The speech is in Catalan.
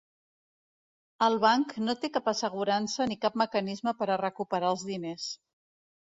El banc no té cap assegurança ni cap mecanisme per a recuperar els diners.